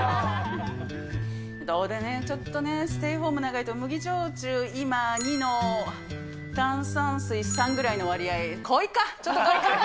どうでね、ちょっとね、ステイホーム長いと、麦焼酎、今、２の、炭酸水３ぐらいの割合で、濃いか、ちょっと濃いか。